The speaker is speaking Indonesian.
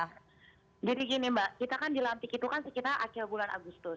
jadi gini mbak kita kan dilantik itu kan sekitar akhir bulan agustus